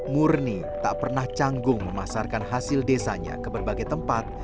murni tak pernah canggung memasarkan hasil desanya ke berbagai tempat